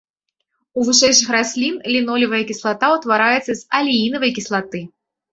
У вышэйшых раслін лінолевая кіслата ўтвараецца з алеінавай кіслаты.